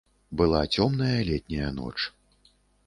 Была цёмная летняя ноч.